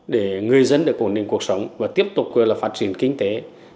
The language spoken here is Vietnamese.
để người dân được ổn định cuộc sống và tiếp tục phát triển kinh tế